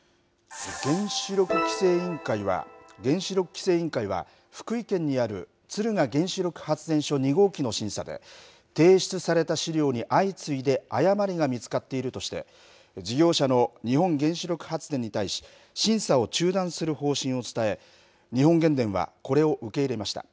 原子力規制委員会は、福井県にある敦賀原子力発電所２号機の審査で、提出された資料に相次いで誤りが見つかっているとして、事業者の日本原子力発電に対し、審査を中断する方針を伝え、日本原電はこれを受け入れました。